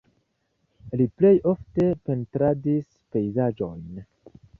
Li plej ofte pentradis pejzaĝojn.